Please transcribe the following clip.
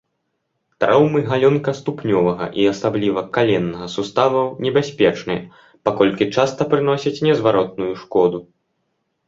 Траўмы галёнкаступнёвага і асабліва каленнага суставаў небяспечныя, паколькі часта прыносяць незваротную шкоду.